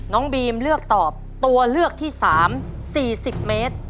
น้องบีมเลือกตอบตัวเลือกที่๓๔๐เมตร